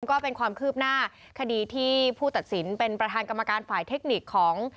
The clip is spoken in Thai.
ก็เป็นความคืบหน้าคดีที่ผู้ตัดสินเป็นประธานกรรมการฝ่ายเทคนิคของ